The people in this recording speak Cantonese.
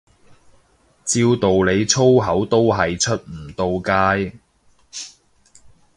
照道理粗口都係出唔到街